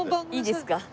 いいですか？